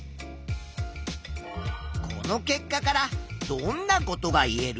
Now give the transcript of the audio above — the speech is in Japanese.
この結果からどんなことが言える？